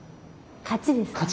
勝ちですか？